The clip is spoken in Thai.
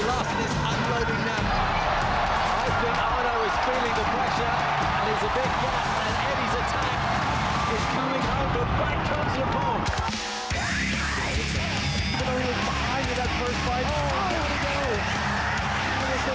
และเอดี้ต้องช่วยด้วย